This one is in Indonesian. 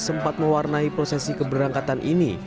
sempat mewarnai prosesi keberangkatan ini